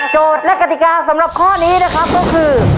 และกติกาสำหรับข้อนี้นะครับก็คือ